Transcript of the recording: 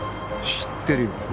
知ってるよ